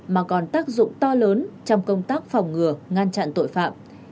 mà còn tác dụng to lớn trong công tác phòng ngừa ngăn chặn tội phạm